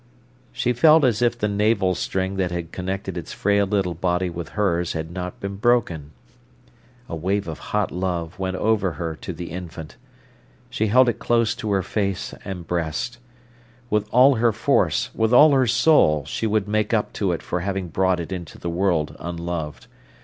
She felt as if the navel string that had connected its frail little body with hers had not been broken. A wave of hot love went over her to the infant. She held it close to her face and breast. With all her force, with all her soul she would make up to it for having brought it into the world unloved.